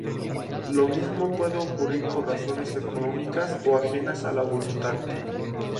Lo mismo puede ocurrir por razones económicas o ajenas a la voluntad.